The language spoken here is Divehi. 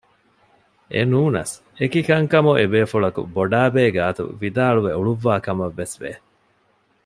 އެނޫނަސް އެކިކަންކަމު އެބޭފުޅަކު ބޮޑާބޭ ގާތު ވިދާޅުވެ އުޅުއްވާ ކަމަށް ވެސް ވެ